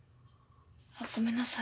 あごめんなさい。